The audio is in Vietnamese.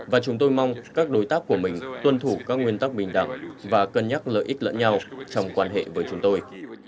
và chúng tôi mong các đối tác của mình tuân thủ các nguyên tắc bình đẳng và cân nhắc lợi ích lẫn nhau trong quan hệ với chúng tôi